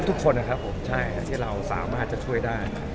ทุกคนนี้ครับที่เราสามารถจะช่วยได้